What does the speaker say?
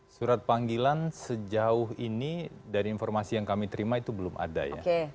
surat panggilan sejauh ini dari informasi yang kami terima itu belum ada ya